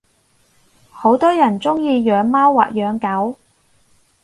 好多人鐘意養貓或養狗